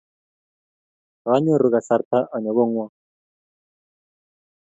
Kanyoru kasarta anyon kong'wong'